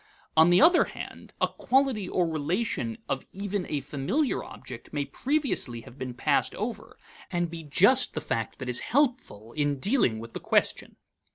On the other hand, a quality or relation of even a familiar object may previously have been passed over, and be just the fact that is helpful in dealing with the question.